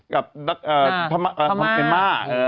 กับภามาก